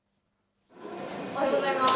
おはようございます。